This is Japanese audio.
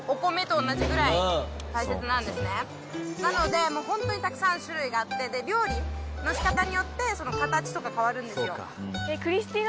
なのでホントにたくさん種類があって料理の仕方によってその形とか変わるんですよ。